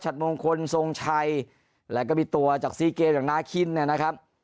มงคลทรงชัยแล้วก็มีตัวจากซีเกมอย่างนาคินเนี่ยนะครับ